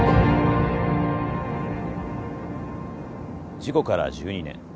事故から１２年。